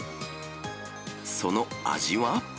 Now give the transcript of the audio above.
その味は。